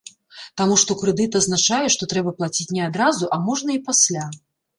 Таму што крэдыт азначае, што трэба плаціць не адразу, а можна і пасля.